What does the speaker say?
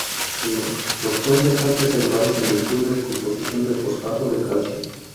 Los cuales están preservados en virtud de su composición de fosfato de calcio.